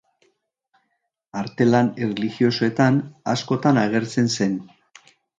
Artelan erlijiosoetan askotan agertzen zen.